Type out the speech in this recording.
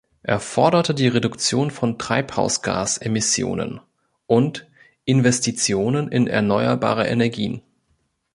Er forderte die Reduktion von Treibhausgas-Emissionen und Investitionen in erneuerbare Energien.